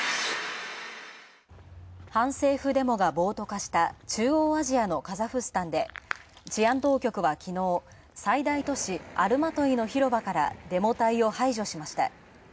反政府デモが暴徒化した中央アジアのカザフスタンで、治安当局は、きのう、最大都市アルマイトの広場からデモ隊を排除しました。